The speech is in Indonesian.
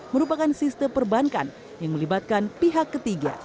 merupakan sistem perbankan yang melibatkan pihak ketiga